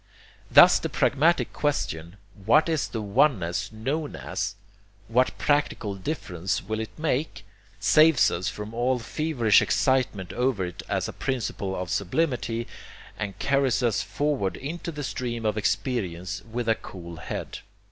Thus the pragmatic question 'What is the oneness known as? What practical difference will it make?' saves us from all feverish excitement over it as a principle of sublimity and carries us forward into the stream of experience with a cool head.